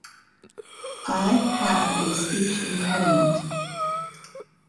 I have a speech impediment.